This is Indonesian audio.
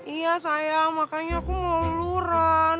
iya sayang makanya aku mau luluran